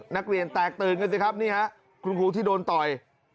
นักเรียนแตกตื่นกันสิครับนี่ฮะคุณครูที่โดนต่อย